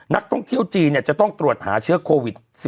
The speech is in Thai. นักท่องเที่ยวจีนจะต้องตรวจหาเชื้อโควิด๑๙